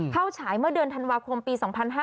ฉายเมื่อเดือนธันวาคมปี๒๕๕๙